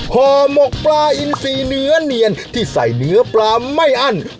ห่อหมกปลาอินซีเนื้อเนียนที่ใส่เนื้อปลาไม่อั้น